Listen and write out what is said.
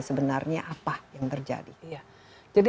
sebenarnya apa yang terjadi iya jadi